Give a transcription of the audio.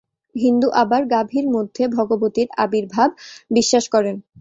হিন্দু আবার গাভীর মধ্যে ভগবতীর আবির্ভাব বিশ্বাস করেন।